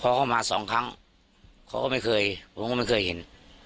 เข้ามาสองครั้งเขาก็ไม่เคยผมก็ไม่เคยเห็น